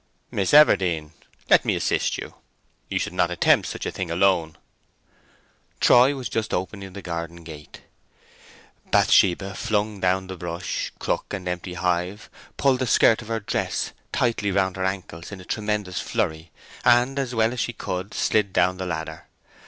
"Miss Everdene, let me assist you; you should not attempt such a thing alone." Troy was just opening the garden gate. Bathsheba flung down the brush, crook, and empty hive, pulled the skirt of her dress tightly round her ankles in a tremendous flurry, and as well as she could slid down the ladder.